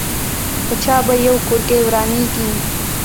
په چا به یو کورګۍ ورانېږي.